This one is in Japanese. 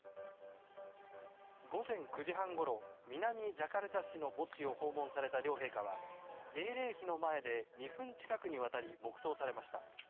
午前９時半ごろ南ジャカルタ市の墓地を訪問された両陛下は英霊碑の前で２分近くにわたり黙祷されました。